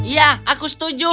ya aku setuju